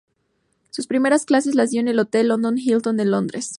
Sus primeras clases las dio en el hotel London Hilton de Londres.